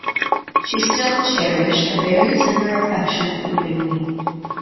She still cherished a very tender affection for Bingley.